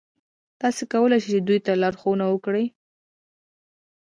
تاسې کولای شئ چې دوی ته لارښوونه وکړئ.